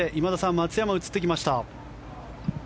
松山が映ってきました。